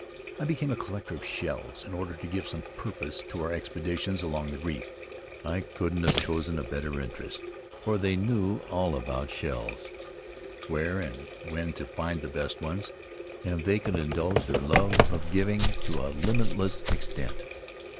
I became a collector of shells in order to give some purpose to our expeditions along the reef. I couldn't have chosen a better interest, for they knew all about shells, where and when to find the best ones, and they could indulge their love of giving to a limitless extent.